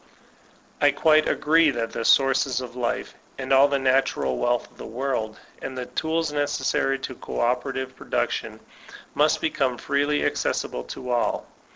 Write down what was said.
I quite agree that the sources of life, and all the natural wealth of the earth, and the tools necessary to co oper ative production, must become free of access to all.